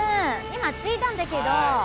今着いたんだけど